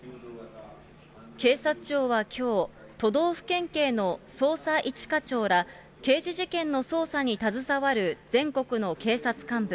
警察庁はきょう、都道府県警の捜査１課長ら、刑事事件の捜査に携わる全国の警察幹部